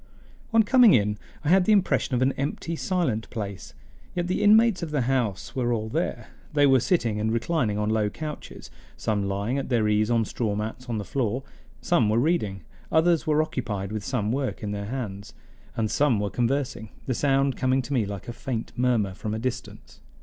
On coming in I had the impression of an empty, silent place; yet the inmates of the house were all there; they were sitting and reclining on low couches, some lying at their ease on straw mats on the floor; some were reading, others were occupied with some work in their hands, and some were conversing, the sound coming to me like a faint murmur from a distance.